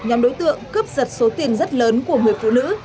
nhóm đối tượng cướp giật số tiền rất lớn của người phụ nữ